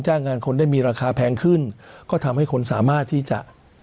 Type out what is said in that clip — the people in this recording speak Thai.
งานคนได้มีราคาแพงขึ้นก็ทำให้คนสามารถที่จะ